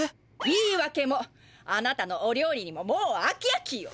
いいわけもあなたのおりょうりにももうあきあきよ！